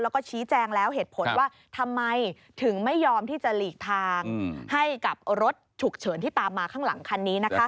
แล้วก็ชี้แจงแล้วเหตุผลว่าทำไมถึงไม่ยอมที่จะหลีกทางให้กับรถฉุกเฉินที่ตามมาข้างหลังคันนี้